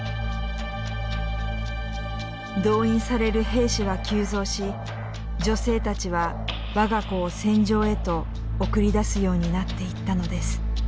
動員される兵士は急増し女性たちは我が子を戦場へと送り出すようになっていったのです。